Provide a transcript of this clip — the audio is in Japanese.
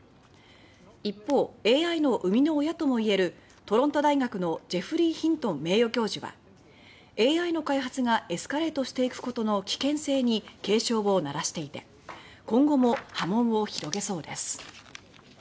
一方ＡＩの生みの親とも言えるトロント大学のジェフリー・ヒントン名誉教授はＡＩの開発がエスカレートしていくことの危険性に警鐘を鳴らしていて今後も波紋を広げそうです。